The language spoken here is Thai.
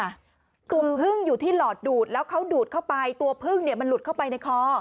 ุ่มพึ่งอยู่ที่หลอดดูดแล้วเขาดูดเข้าไปตัวพึ่งเนี่ยมันหลุดเข้าไปในคอ